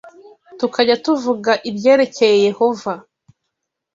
tukajya tuvuga ibyerekeye Yehova